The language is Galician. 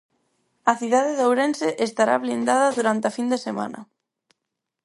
A cidade de Ourense estará blindada durante a fin de semana.